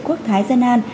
quốc thái dân an